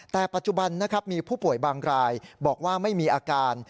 แต่ปัจจุบันนะครับมีผู้ป่วยบางรายบอกว่าไม่มีอาการ